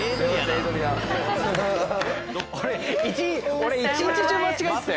俺一日中間違えてたよ。